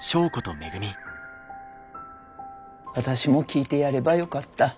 私も聞いてやればよかった。